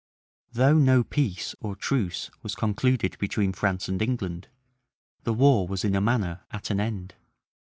Though no peace or truce was concluded between France and England, the war was in a manner at an end.